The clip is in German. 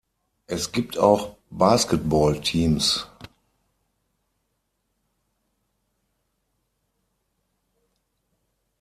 Es gibt auch Basketballteams.